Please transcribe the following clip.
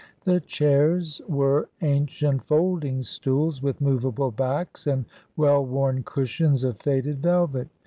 The chairs were ancient folding stools, with movable backs and well worn cushions of faded velvet.